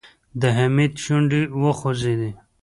د حميد شونډې وخوځېدې.